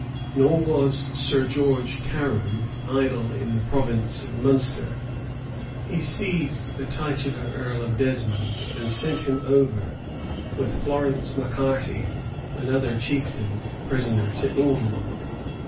Nor was Sir George Carew idle in the province of Munster. He seized the titular earl of Desmond, and sent him over, with Florence Macarty, another chieftain, prisoner to England.